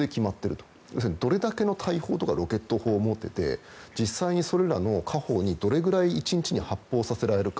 つまり、どれだけの大砲とかロケット砲を持っていて実際にそれらにどれぐらい１日に発砲させられるか。